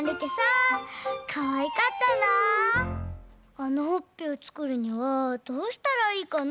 あのほっぺをつくるにはどうしたらいいかな？